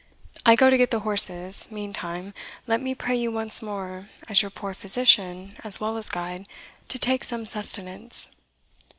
I go to get the horses; meantime, let me pray you once more, as your poor physician as well as guide, to take some sustenance."